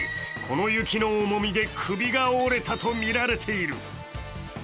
この雪の重みで首が折れたとみられている。